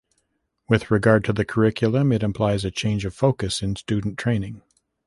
With regard to the curriculum it implies a change of focus in student training.